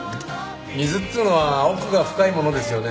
水っていうのは奥が深いものですよね。